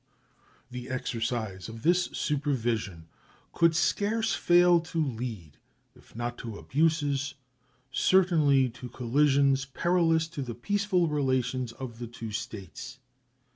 The exercise of this supervision could scarce fail to lead, if not to abuses, certainly to collisions perilous to the peaceful relations of the two States.